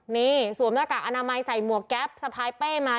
นี่สวมหน้ากากอนามัยใส่หมวกแก๊ปสะพายเป้มา